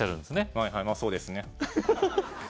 はいはいまぁそうですねフフフ